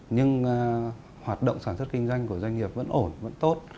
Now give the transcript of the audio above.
nhưng hoạt động sản xuất kinh doanh của doanh nghiệp vẫn ổn vẫn tốt